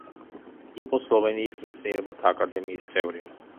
იყო სლოვენიის მეცნიერებათა აკადემიის წევრი.